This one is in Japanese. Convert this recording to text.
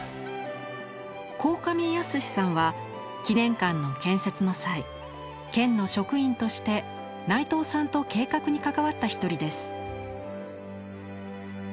鴻上泰さんは記念館の建設の際県の職員として内藤さんと計画に関わった一人です。